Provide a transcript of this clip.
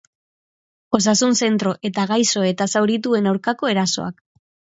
Osasun-zentro eta gaixo eta zaurituen aurkako erasoak.